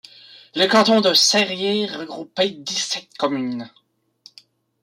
Le canton de Serrières regroupait dix-sept communes.